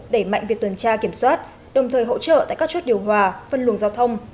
đẩy mạnh việc tuần tra kiểm soát đồng thời hỗ trợ tại các chốt điều hòa phân luồng giao thông